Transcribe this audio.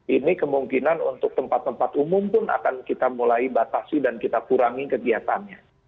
ini kemungkinan untuk tempat tempat umum pun akan kita mulai batasi dan kita kurangi kegiatannya